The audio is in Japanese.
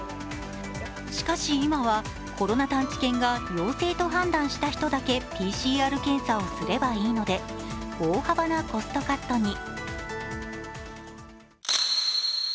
しかし今はコロナ探知犬が陽性と判断した人だけＰＣＲ検査をすればいいので大幅なコストカットに。